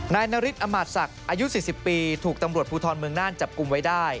นายนาริสอมาตศักดิ์อายุ๔๐ปีถูกตำรวจภูทรเมืองน่านจับกลุ่มไว้ได้